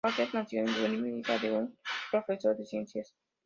Wakefield nació en Birmingham, hija de un profesor de ciencias.